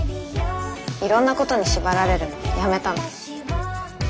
いろんなことに縛られるのやめたの。